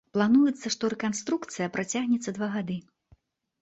Плануецца, што рэканструкцыя працягнецца два гады.